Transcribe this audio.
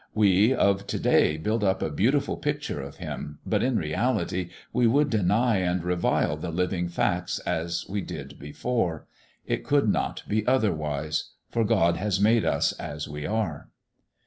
We of to day build up a beautiful picture of Him, but, in reality, we would deny and revile the living fact as we did before. It could not be otherwise, for God has made us as we are.